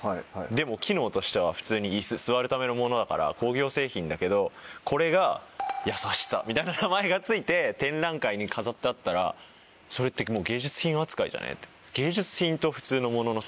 でも機能としては座るためのものだから工業製品だけどこれが「優しさ」みたいな名前が付いて展覧会に飾ってあったらそれってもう芸術品扱いじゃないの？って。